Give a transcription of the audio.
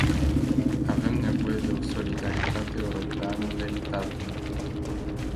Avem nevoie de o solidaritate europeană veritabilă.